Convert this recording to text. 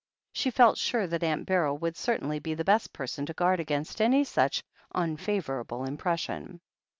She felt sure that Aunt Beryl would certainly be the best person to guard against any such unfavourable impression.